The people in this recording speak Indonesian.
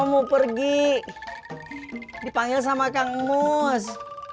mau pergi dipanggil sama kang mus